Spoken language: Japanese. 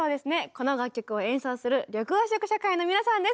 この楽曲を演奏する緑黄色社会の皆さんです。